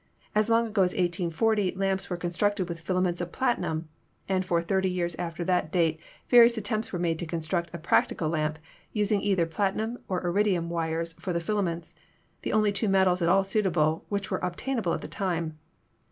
As long ago as 1840 lamps were constructed with filaments of platinum, and for thirty years after that date various attempts were made to construct a practical lamp, using either platinum or iridium wires for the fila ments, the only two metals at all suitable which were ob tainable at the time.